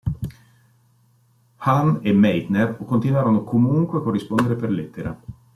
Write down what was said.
Hahn e Meitner continuarono comunque a corrispondere per lettera.